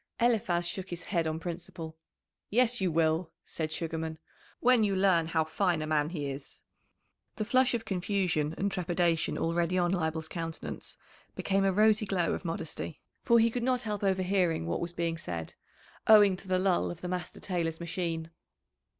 Eliphaz shook his head on principle. "Yes, you will," said Sugarman, "when you learn how fine a man he is." The flush of confusion and trepidation already on Leibel's countenance became a rosy glow of modesty, for he could not help overhearing what was being said, owing to the lull of the master tailor's machine.